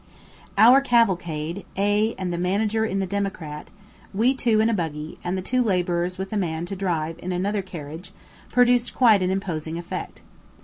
Our cavalcade, A and the Manager in the democrat, we two in a buggy, and the two labourers with a man to drive in another carriage, produced quite an imposing effect.